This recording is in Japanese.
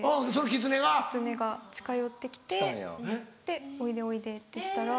キツネが近寄って来ておいでおいでってしたら。